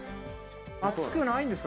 熱くないんですか？